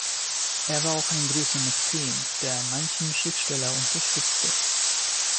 Er war auch ein großer Mäzen, der manchen Schriftsteller unterstützte.